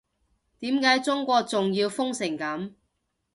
點解中國仲要封成噉